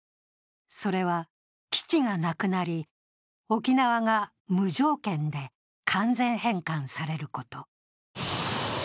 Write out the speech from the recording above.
それは基地がなくなり沖縄が無条件で完全返還されること。